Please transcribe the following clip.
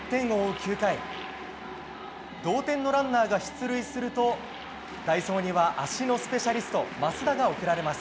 ９回同点のランナーが出塁すると代走には足のスペシャリスト増田が送られます。